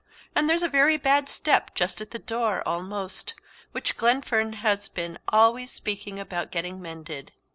And there's a very bad step just at the door almost, which Glenfern has been always speaking about getting mended.